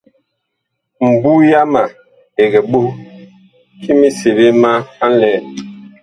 Mbu yama ɛg ɓoh ki miseɓe a nlɛɛ.